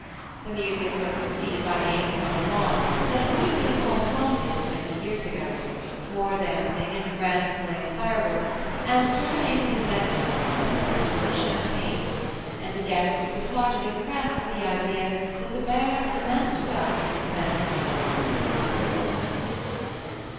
The music was suceeded by games on the lawn that would have been called romping twenty years ago–more dancing, and a grand display of fireworks, and terminated in a magnificent supper, and much champagne; and the guests departed impressed with the idea that the Baron's immense wealth was spent with equal liberality.